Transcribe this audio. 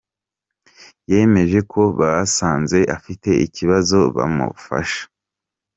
com, yemeje ko basanze afite ikibazo bamufasha.